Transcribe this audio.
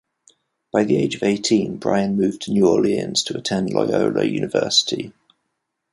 By the age of eighteen, Brian moved to New Orleans to attend Loyola University.